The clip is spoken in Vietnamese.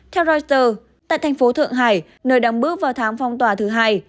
theo reuters tại thành phố thượng hải nơi đang bước vào tháng phong tỏa thứ hai